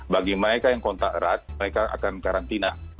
bagi mereka yang kontak erat mereka akan karantina